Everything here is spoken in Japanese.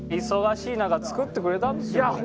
忙しい中作ってくれたんですよ。